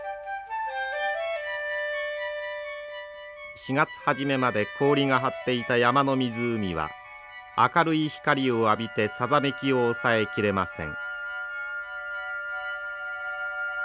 ４月初めまで氷が張っていた山の湖は明るい光を浴びてさざめきを抑えきれません。